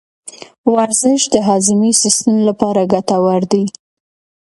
ورزش د هاضمي سیستم لپاره ګټور دی.